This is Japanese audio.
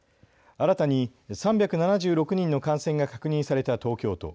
新たに３７６人の感染が確認された東京都。